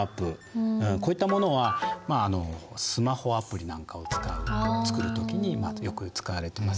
こういったものはスマホアプリなんかを作る時によく使われてます。